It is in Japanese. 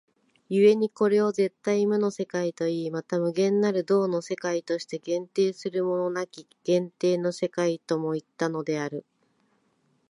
故にこれを絶対無の世界といい、また無限なる動の世界として限定するものなき限定の世界ともいったのである。